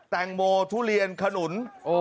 แตงโมทุเรียนขนุน